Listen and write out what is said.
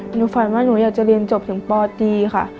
หนูฝันว่าหนูอยากจะเรียนจบถึงปตีค่ะ